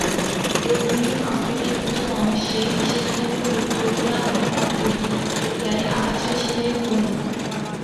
এই উদ্ভিদ অস্ট্রেলিয়ার কিছু অংশে, বিশেষভাবে ভিক্টোরিয়া এবং পশ্চিম অস্ট্রেলিয়ায় আগাছা হিসেবে গণ্য।